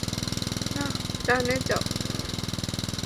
না, - ডানে যাও।